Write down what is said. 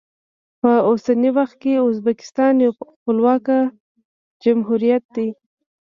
په اوسني وخت کې ازبکستان یو خپلواک جمهوریت دی.